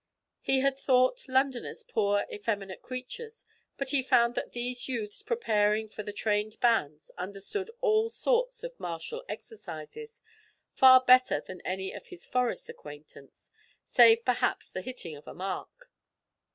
He had thought Londoners poor effeminate creatures, but he found that these youths preparing for the trained bands understood all sorts of martial exercises far better than any of his forest acquaintance, save perhaps the hitting of a mark.